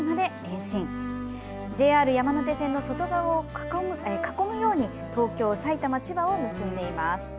都心のＪＲ山手線の外側を囲むように東京、埼玉、千葉を結んでいます。